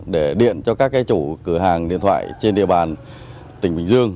để điện cho các chủ cửa hàng điện thoại trên địa bàn tỉnh bình dương